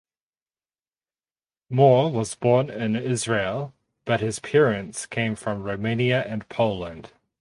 Mor was born in Israel but his parents came from Romania and Poland.